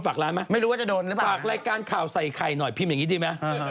ฝากร้านได้ไหมเดี๋ยวฉันดูกับมีคนฝากร้านไหม